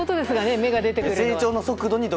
芽が出てくるのは。